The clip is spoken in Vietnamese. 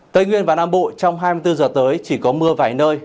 tây nguyên và nam bộ trong hai mươi bốn giờ tới chỉ có mưa vài nơi